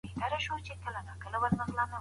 هغه په مطالعه کولو بوخت دی.